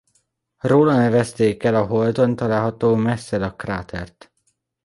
Róla nevezték el a Holdon található Messala-krátert.